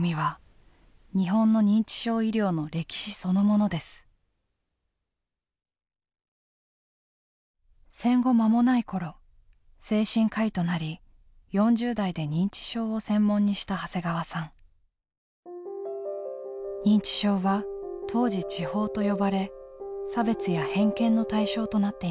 認知症は当時痴呆と呼ばれ差別や偏見の対象となっていました。